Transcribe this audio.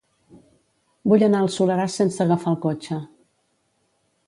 Vull anar al Soleràs sense agafar el cotxe.